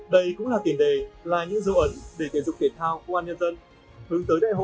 đây cũng là tiền đề là những dấu ẩn để thể dục thể thao công an nhân dân